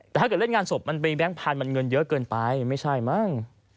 แต่ถ้าเกิดเล่นงานศพมันเป็นแก๊งพันธุ์มันเงินเยอะเกินไปไม่ใช่มั้ง